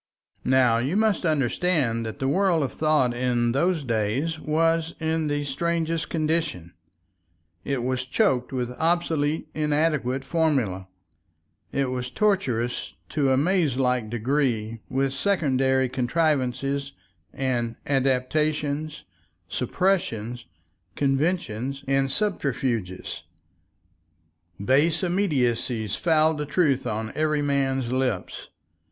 Now you must understand that the world of thought in those days was in the strangest condition, it was choked with obsolete inadequate formulae, it was tortuous to a maze like degree with secondary contrivances and adaptations, suppressions, conventions, and subterfuges. Base immediacies fouled the truth on every man's lips.